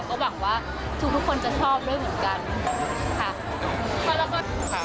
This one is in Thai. ก็หวังว่าทุกคนจะชอบด้วยเหมือนกันค่ะ